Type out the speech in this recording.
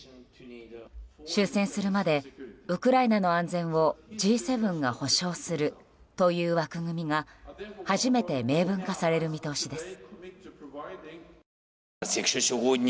終戦するまでウクライナの安全をＧ７が保障するという枠組みが初めて明文化される見通しです。